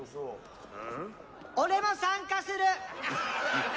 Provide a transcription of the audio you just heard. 俺も参加する。